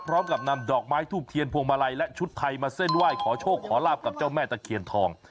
พร้อมกับนำดอกไม้ทูบเทียนพวงมาลัยและชุดไทยมาเส้นไหว้ขอโชคขอลาบกับเจ้าแม่ตะเคียนทอง